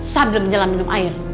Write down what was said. sebelum jalan minum air